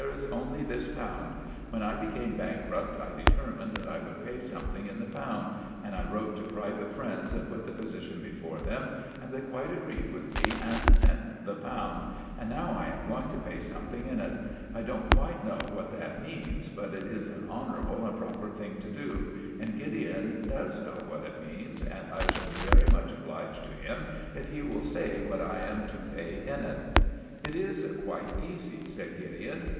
There is only this pound. When I became bankrupt I determined that I would pay something in the pound, and I wrote to private friends and put the position before them, and they quite agreed with me and sent the pound; and now I am going to pay something in it. I don't quite know what that means, but it is an honourable and proper thing to do; and Gideon does know what it means, and I shall be very much obliged to him if he will say what I am to pay in it." "It is quite easy," said Gideon.